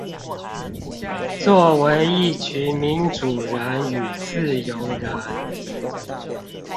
作為一群民主人與自由人